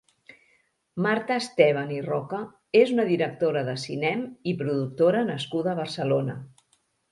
Marta Esteban i Roca és una directora de cinem i productora nascuda a Barcelona.